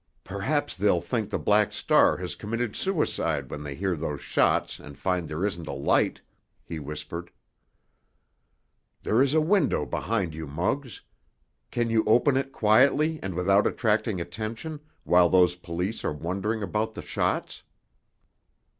"Perhaps they'll think the Black Star has committed suicide when they hear those shots and find there isn't a light," he whispered. "There is a window behind you, Muggs. Can you open it quietly and without attracting attention, while those police are wondering about the shots?"